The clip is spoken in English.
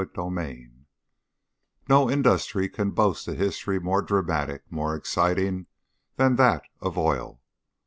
CHAPTER IX No industry can boast a history more dramatic, more exciting, than that of oil.